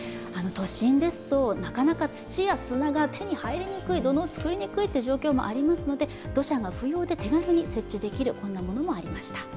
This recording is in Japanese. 都心ですと、なかなか土や砂が手に入りにくい、土のうを作りにくい状況もありますので、土砂が不要で手軽に復帰できるというものもあります。